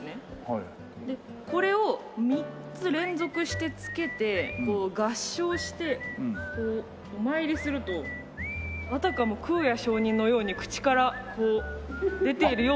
でこれを３つ連続して付けて合掌してお参りするとあたかも空也上人のように口から出ているような。